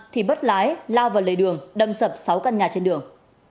thì bất lái lao vào lề đường đâm sập sáu căn nhà trên đường